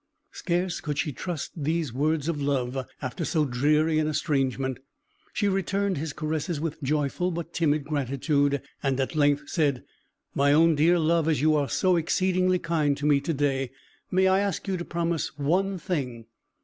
Scarce could she trust these words of love, after so dreary an estrangement; she returned his caresses with joyful but timid gratitude, and at length said, "My own dear love, as you are so exceedingly kind to me to day, may I ask you to promise one thing?